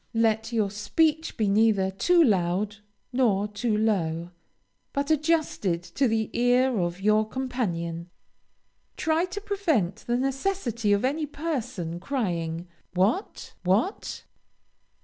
Let your speech be neither too loud nor too low; but adjusted to the ear of your companion. Try to prevent the necessity of any person crying, "What? What?"